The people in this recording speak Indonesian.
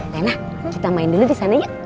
rena kita main dulu disana yuk